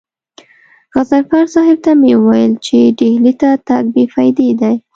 غضنفر صاحب ته مې وويل چې ډهلي ته تګ بې فايدې دی.